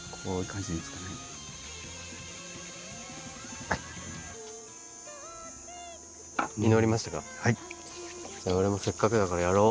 じゃあ俺もせっかくだからやろう。